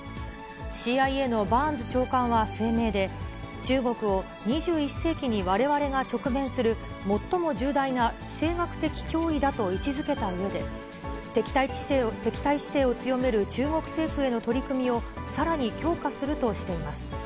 ＣＩＡのバーンズ長官は声明で、中国を２１世紀にわれわれが直面する最も重大な地政学的脅威だと位置づけたうえで、敵対姿勢を強める中国政府への取り組みをさらに強化するとしています。